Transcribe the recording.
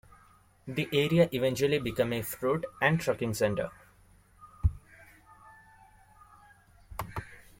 The area eventually became a fruit and trucking center.